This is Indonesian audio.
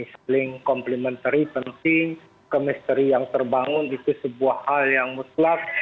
saling complementary penting kemisteri yang terbangun itu sebuah hal yang mutlak